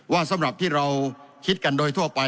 สำหรับที่เราคิดกันโดยทั่วไป